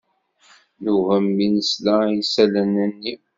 Newhem mi nesla i isallen-nni.